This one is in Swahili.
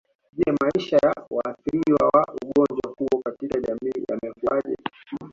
Je maisha ya waathiriwa wa ugonjwa huo katika jamii yamekuaje